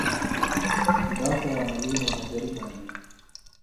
دا په عملي او نظري بڼه وي.